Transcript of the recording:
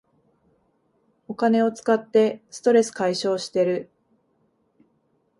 お金を使ってストレス解消してる